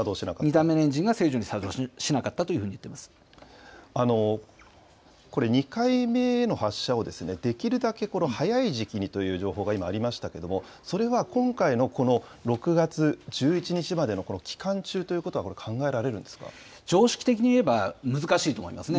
２段目のエンジンが正常に作動しなかったというふうに言ってこれ２回目の発射をできるだけ早い時期にという情報が今ありましたけれども、それは今回のこの６月１１日までのこの期間中ということはこれ、考えられるんで常識的に言えば、難しいと思いますね。